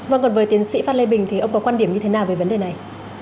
vâng còn với tiến sĩ phan lê bình thì ông có quan điểm như thế nào về vấn đề này